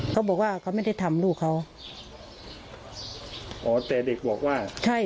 เขาบอกว่าเขาไม่ได้ทำลูกเขาอ๋อแต่เด็กบอกว่าใช่